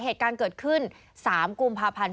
เหตุการณ์เกิดขึ้น๓กุมภาพันธ์